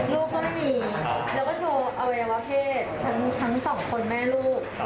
ลูกก็ไม่มีแล้วก็โชว์เอาไว้ว่าผิดทั้งสองคนแม่ลูก